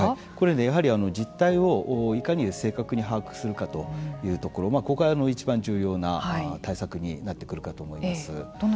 やはり実態をいかに正確に把握するかというところここがいちばん重要な対策になってくるかと思います。